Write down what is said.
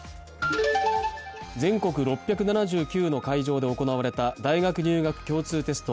全国６７９の会場で行われた大学入学共通テスト。